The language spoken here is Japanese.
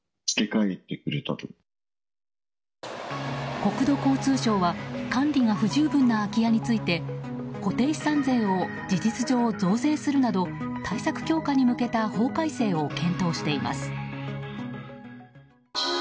国土交通省は管理が不十分な空き家について固定資産税を事実上増税するなど対策強化に向けた法改正を検討しています。